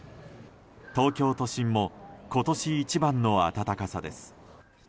東京都心も今年一番の暖かさです。